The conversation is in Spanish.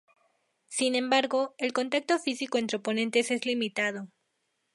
Sin embargo, el contacto físico entre oponentes es limitado.